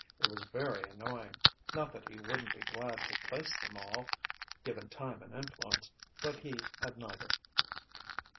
It was very annoying. Not that he wouldn't be glad to place them all, given time and influence; but he had neither.